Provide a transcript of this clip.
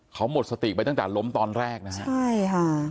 เขาหมดสติไปตั้งแต่ล้มตอนแรกนะฮะใช่ค่ะ